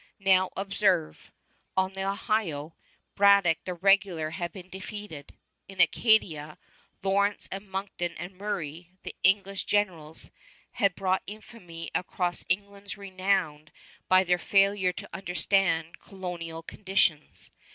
Now observe: on the Ohio, Braddock the regular had been defeated; in Acadia, Lawrence and Monckton and Murray, the English generals, had brought infamy across England's renown by their failure to understand colonial conditions.